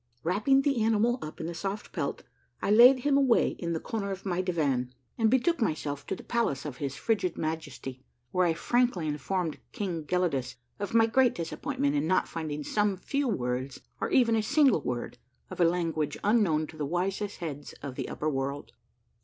Wrapping the animal up in the soft pelt, I laid him away in a corner of my divan and betook myself to the palace of his 178 A MARVELLOUS UNDERGROUND JOURNEY frigid Majesty, where I frankly informed King Gelidus of my great disappointment in not finding some few words or even a single word of a language unknown to the wisest heads of the upper world.